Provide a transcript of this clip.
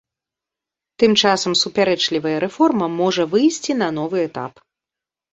Тым часам супярэчлівая рэформа можна выйсці на новы этап.